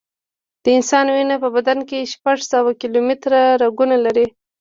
د انسان وینه په بدن کې شپږ سوه کیلومټره رګونه لري.